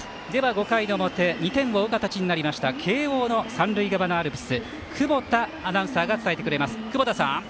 ５回の表２点を追う形になりました慶応の三塁側のアルプス久保田アナウンサーが伝えてくれます。